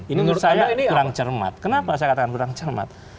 ini menurut saya kurang cermat kenapa saya katakan kurang cermat